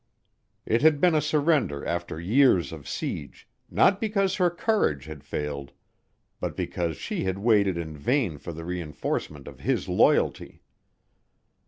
It had been a surrender after years of siege, not because her courage had failed, but because she had waited in vain for the reinforcement of his loyalty.